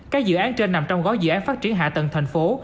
các dự án trên nằm trong gói dự án phát triển hạ tầng thành phố